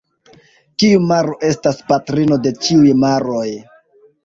Kiu maro estas patrino de ĉiuj maroj?